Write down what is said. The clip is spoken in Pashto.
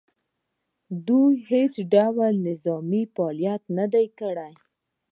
دوی خو هېڅ ډول نظامي فعالیت نه دی کړی